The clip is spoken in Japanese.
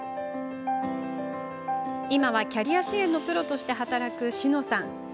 今はキャリア支援のプロとして働く紫乃さん。